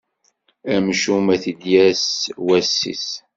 Amcum ad t-id-yas wass-is!